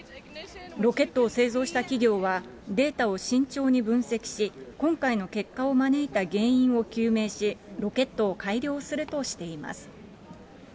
ロケットを製造した企業は、データを慎重に分析し、今回の結果を招いた原因を究明し、ロケットを改良するとしています。